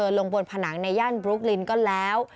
ลงบนผนังในย่านบลุ๊กลินก็แล้ว